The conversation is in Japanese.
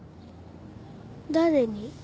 誰に？